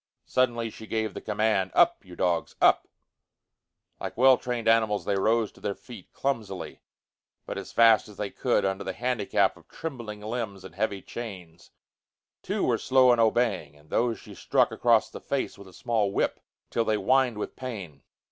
Suddenly she gave the command, "Up! you dogs, up!" Like well trained animals they rose to their feet, clumsily, but as fast as they could under the handicap of trembling limbs and heavy chains. Two were slow in obeying, and those she struck across the face with a small whip, till they whined with pain.